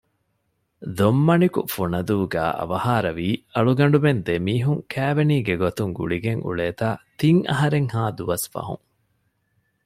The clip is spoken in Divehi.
ދޮންމަނިކު ފުނަދޫގައި އަވަހާރަވީ އަޅުގަނޑުމެން ދެ މީހުން ކައިވެނީގެ ގޮތުން ގުޅިގެން އުޅޭތާ ތިން އަހަރެއްހާ ދުވަސް ފަހުން